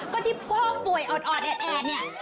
ก็ที่พ่อป่วยออดแอดเนี่ย